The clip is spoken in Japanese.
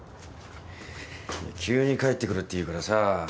急に帰ってくるって言うからさ